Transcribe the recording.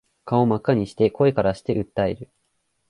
顔真っ赤にして声からして訴える